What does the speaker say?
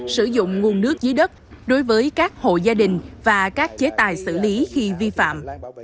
sử dụng nguồn nước dưới đất đối với các hộ gia đình và các chế tài xử lý khi vi phạm